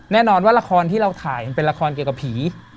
แน่นอนว่าละครที่เราถ่ายมันเป็นละครเกี่ยวกับผี